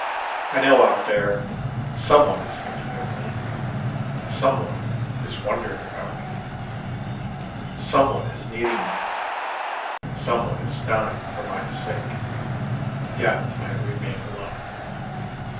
I know out there Some one is thinking of me, some one is wondering about me, Some one is needing me, some one is dying for my sake, Yet I remain alone.